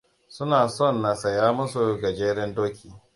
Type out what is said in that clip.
Suna son na saya musu gajeren doki.